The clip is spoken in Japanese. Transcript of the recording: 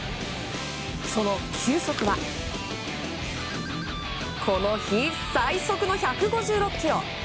その球速はこの日最速の１５６キロ！